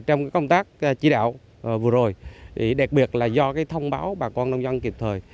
trong công tác chỉ đạo vừa rồi đặc biệt là do thông báo bà con nông dân kịp thời